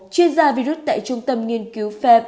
chuyên gia virus tại trung tâm nghiên cứu phép